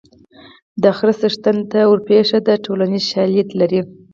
د خره څښتن ته ورپېښه ده ټولنیز شالید لري